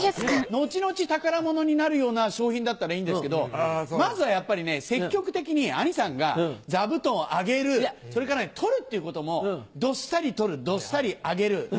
後々宝物になるような賞品だったらいいんですけどまずはやっぱり積極的に兄さんが座布団をあげるそれから取るっていうこともどっさり取るどっさりあげる。